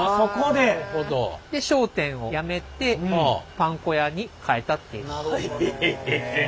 で商店をやめてパン粉屋に変えたっていう。